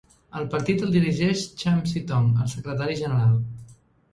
El partit el dirigeix Chiam See Tong, el secretari general.